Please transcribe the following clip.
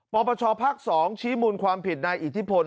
ปปชภาค๒ชี้มูลความผิดนายอิทธิพล